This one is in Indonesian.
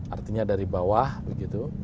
artinya dari bawah begitu